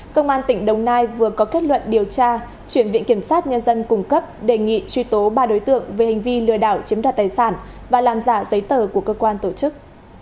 công an tỉnh đồng nai vừa có kết luận điều tra chuyển viện kiểm sát nhân dân cung cấp đề nghị truy tố ba đối tượng về hành vi lừa đảo chiếm đoạt tài sản và làm giả giấy tờ của cơ quan tổ chức